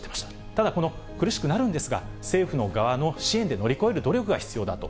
ただ、この苦しくなるんですが、政府の側の支援で乗り越える努力が必要だと。